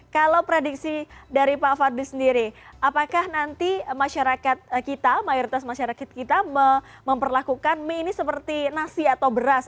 kalau prediksi dari pak fadli sendiri apakah nanti masyarakat kita mayoritas masyarakat kita memperlakukan mie ini seperti nasi atau beras